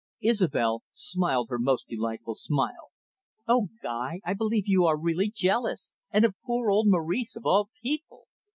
Isobel smiled her most delightful smile. "Oh, Guy, I believe you are really jealous, and of poor old Maurice, of all people.